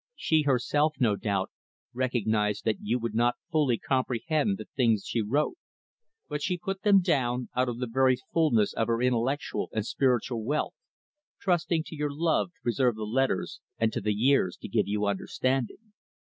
She, herself no doubt, recognized that you would not fully comprehend the things she wrote; but she put them down, out of the very fullness of her intellectual and spiritual wealth trusting to your love to preserve the letters, and to the years to give you understanding."